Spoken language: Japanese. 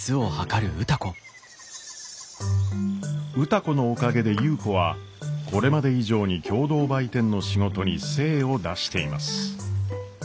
歌子のおかげで優子はこれまで以上に共同売店の仕事に精を出しています。